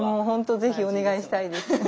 本当ぜひお願いしたいです。